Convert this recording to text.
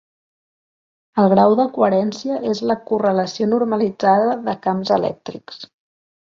El grau de coherència és la correlació normalitzada de camps elèctrics.